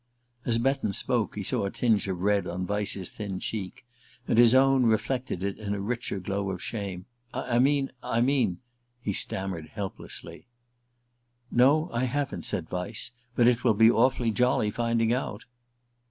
As Betton spoke, he saw a tinge of red on Vyse's thin cheek, and his own reflected it in a richer glow of shame. "I mean I mean " he stammered helplessly. "No, I haven't," said Vyse; "but it will be awfully jolly finding out."